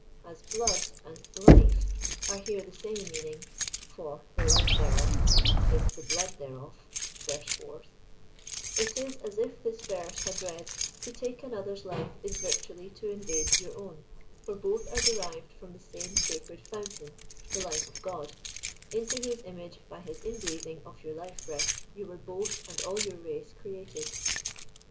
As " blood " and " Jife " are here the same in meaning, — for " the life thereof" is " the blood there of," (verse 4th,) — it is as if th^ verse had read " to take ano ther's life is virtually to invade your own, for both are derived from the same sacred fountain, the life of God ; into whose image, by his inbreathing of your life breath, you were both, And all your race, created."